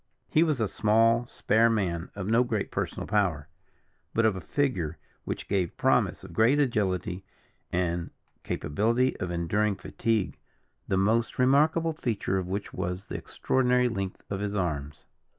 He was a small, spare man, of no great personal power, but of a figure which gave promise of great agility and capability of enduring fatigue, the most remarkable feature of which was the extraordinary length of his arms.